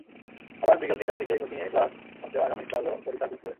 আবার বিকেল তিনটার দিকে কোচিংয়ে ক্লাস আছে আগামীকালও পরীক্ষা আছে স্কুলে।